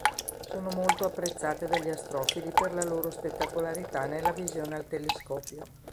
Sono molto apprezzate dagli astrofili per la loro spettacolarità nella visione al telescopio.